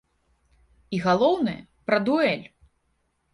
І, галоўнае, пра дуэль!